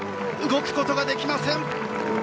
動くことができません。